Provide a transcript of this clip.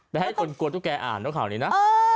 จะให้คนกลัวตุแก่อ่านเพราะข่าวนี้นะ